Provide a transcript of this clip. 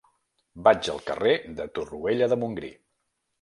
Vaig al carrer de Torroella de Montgrí.